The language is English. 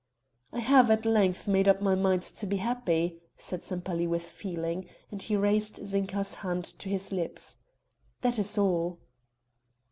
"I have at length made up my mind to be happy," said Sempaly with feeling, and he raised Zinka's hand to his lips. "That is all."